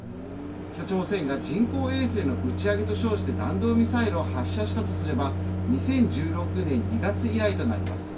北朝鮮が人工衛星の打ち上げと称して弾道ミサイルを発射したとすれば２０１６年２月以来となります。